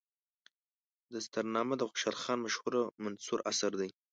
دستارنامه د خوشحال خان مشهور منثور اثر دی.